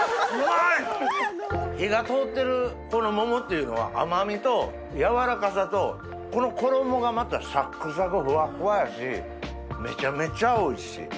火が通ってる桃っていうのは甘みと軟らかさとこの衣がまたサックサクフワッフワやし。めちゃめちゃおいしい。